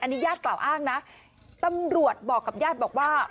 อันนี้ญาติกล่าวอ้างนะตำรวจบอกกับญาติบอกว่า